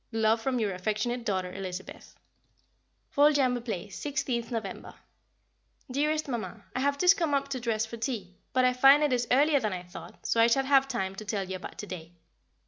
Love from your affectionate daughter, Elizabeth. Foljambe Place, 16th November. [Sidenote: Bad Weather] Dearest Mamma, I have just come up to dress for tea, but I find it is earlier than I thought, so I shall have time to tell you about to day.